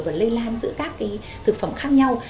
và lây lan giữa các thực phẩm khác nhau